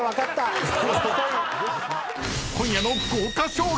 ［今夜の豪華賞品は⁉］